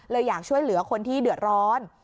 อยากช่วยเหลือคนที่เดือดร้อน